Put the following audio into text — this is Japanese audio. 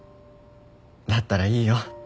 だったらいいよ。